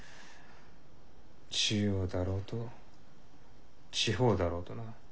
中央だろうと地方だろうとな。